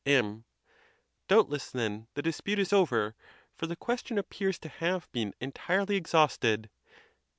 M. Doubtless, then, the dispute is over; for the question appears to have been entirely exhausted.